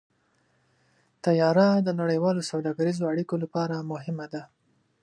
طیاره د نړیوالو سوداګریزو اړیکو لپاره مهمه ده.